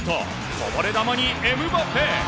こぼれ球にエムバペ。